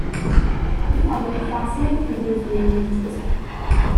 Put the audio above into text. Three other fascinating features were unique to this game.